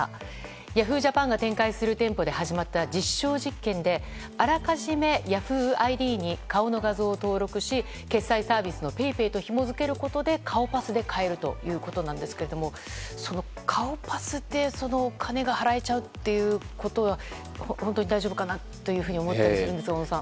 Ｙａｈｏｏ！ＪＡＰＡＮが展開する店舗で始まった実証実験であらかじめＹａｈｏｏ！ＩＤに顔の画像を登録し決済サービスのＰａｙＰａｙとひもづけることで顔パスで買えるということですが顔パスで金が払えちゃうということは本当に大丈夫かなと思ったりするんですが小野さん。